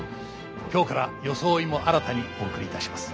今日から装いも新たにお送りいたします。